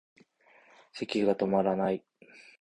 咳がとまらない